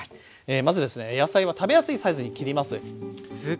まずですね野菜は食べやすいサイズに切ります。